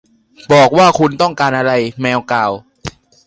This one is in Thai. บอกว่าคุณต้องการอะไร แมวกล่าว